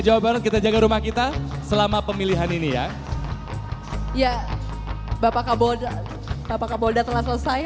jawa barat kita jaga rumah kita selama pemilihan ini ya ya bapak kabur bapak kabur datang selesai